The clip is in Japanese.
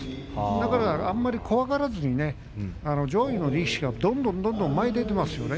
だから、あまり怖がらずにね上位の力士がどんどん前に出ていますよね